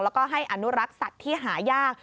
แล้วก็ให้อนุรักษ์สัตว์ที่หายาก